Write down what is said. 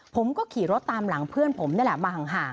ผมก็ขี่รถตามหลังเพื่อนผมนี่แหละมาห่าง